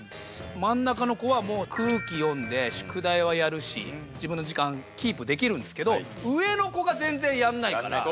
真ん中の子はもう空気読んで宿題はやるし自分の時間キープできるんですけど上の子が全然やんないから！